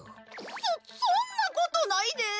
そそんなことないで。